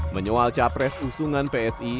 menyual capres usungan psi